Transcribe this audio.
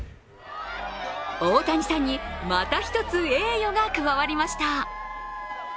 大谷さんに、また１つ栄誉が加わりました。